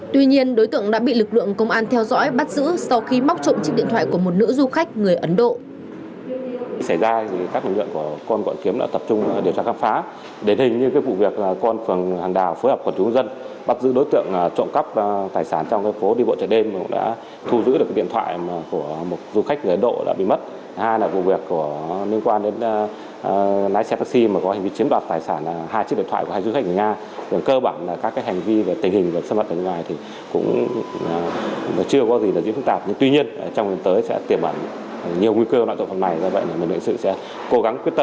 tuy nhiên đối tượng đã bị lực lượng công an theo dõi bắt giữ sau khi móc trộm chiếc điện thoại của một nữ du khách người ấn độ